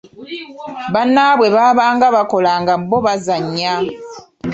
Bannaabwe baabanga bakola nga bo bazannya.